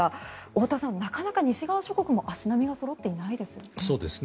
太田さん、なかなか西側諸国も足並みがそろっていないですよね。